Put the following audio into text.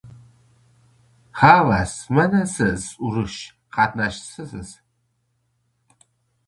Ha, Avaz! Mana, siz urush qatnashchisiz...